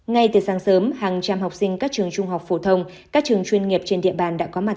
ngay từ sáng sớm hàng trăm học sinh các trường trung học phổ thông các trường chuyên nghiệp trên địa bàn đã có mặt